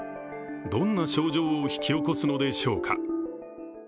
どんな症状を引き起こすのでしょうか。